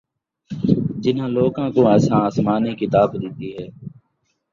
جِنہاں لوکاں کوں اَساں اَسمانی کتاب ݙِتی ہے